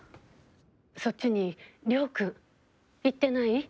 そっちに亮君行ってない？